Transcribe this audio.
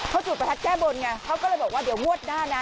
เขาจุดประทัดแก้บนไงเขาก็เลยบอกว่าเดี๋ยวงวดหน้านะ